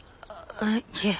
あっいえ。